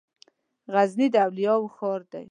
غزني د اولياوو ښار ده